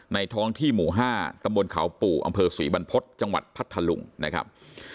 ท้องที่หมู่๕ตำบลเขาปู่อำเภอศรีบรรพฤษจังหวัดพัทธลุงนะครับ